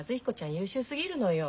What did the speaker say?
優秀すぎるのよ。